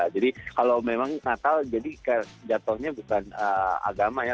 jadi kalau memang natal jadi jatuhnya bukan agama ya